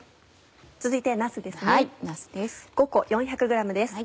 続いてなすですね。